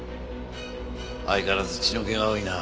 相変わらず血の気が多いな。